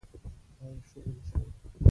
دا يې شغل شو.